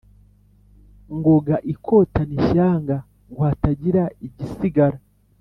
Ngoga ikotana ishyanga ngo hatagira igisigara,